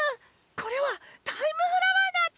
これはタイムフラワーナツ。